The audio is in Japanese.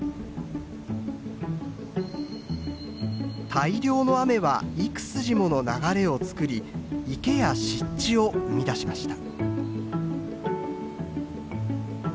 大量の雨は幾筋もの流れをつくり池や湿地を生み出しました。